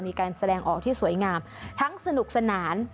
มีการแสดงออกที่สวยงามทั้งสนุกสนาน